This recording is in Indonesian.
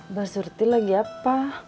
mbak surti lagi apa